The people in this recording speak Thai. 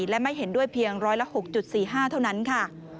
และไม่เห็นด้วยเพียงร้อยละ๖๔๕เท่านั้นค่ะ